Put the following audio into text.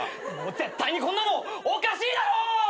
絶対にこんなのおかしいだろ！